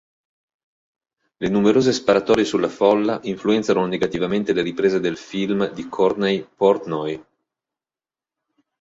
Le numerose sparatorie sulla folla influenzano negativamente la riprese del film di Courtney Portnoy.